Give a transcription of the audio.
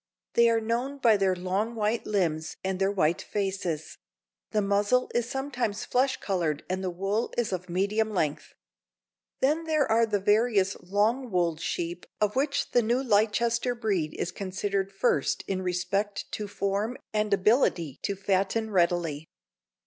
They are known by their long white limbs and their white faces; the muzzle is sometimes flesh colored and the wool is of medium length. Then there are the various long wooled sheep of which the new Leicester breed is considered first in respect to form and ability to fatten readily.